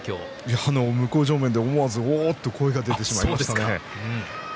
向正面でおおっと声が出てしまいました。